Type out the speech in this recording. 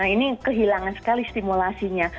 ini kehilangan sekali stimulasinya